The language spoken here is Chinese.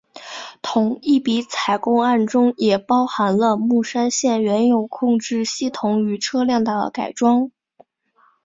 同一笔采购案中也包含了木栅线原有控制系统与车辆的改装。